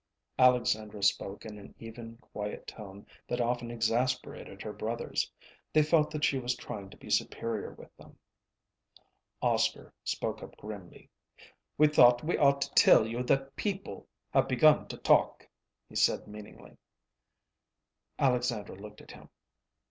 Alexandra spoke in an even, quiet tone that often exasperated her brothers. They felt that she was trying to be superior with them. Oscar spoke up grimly. "We thought we ought to tell you that people have begun to talk," he said meaningly. Alexandra looked at him.